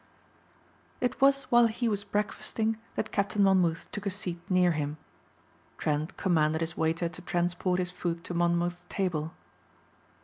It was while he was breakfasting that Captain Monmouth took a seat near him. Trent commanded his waiter to transport his food to Monmouth's table.